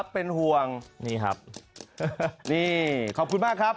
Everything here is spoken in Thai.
เป็นห่วงนี่ครับนี่ขอบคุณมากครับ